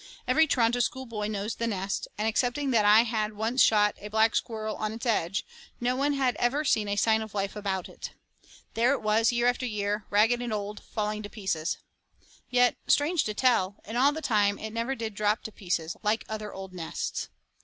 Every Toronto school boy knows the nest, and, excepting that I had once shot a black squirrel on its edge, no one had ever seen a sign of life about it. There it was year after year, ragged and old, and falling to pieces. Yet, strange to tell, in all that time it never did drop to pieces, like other old nests.